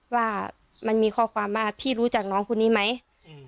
ว่ามันมีข้อความว่าพี่รู้จักน้องคนนี้ไหมอืม